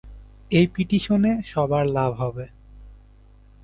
এই পিটিশনে সবার লাভ হবে।